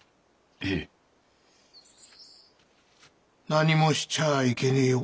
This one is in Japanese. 何もしちゃあいけねえよ。